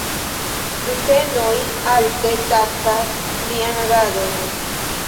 Rutenoj alte taksas lian agadon.